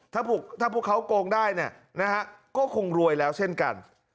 ถ้าพวกเขาโกงได้ก็คงรวยแล้วเช่นกัน